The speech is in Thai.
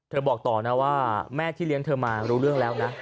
บอกต่อนะว่าแม่ที่เลี้ยงเธอมารู้เรื่องแล้วนะ